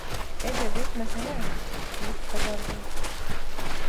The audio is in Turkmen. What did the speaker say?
– Eje beýtmesene – diýip gyzardy.